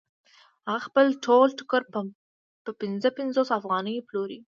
هغه خپل ټول ټوکر په پنځه پنځوس افغانیو پلوري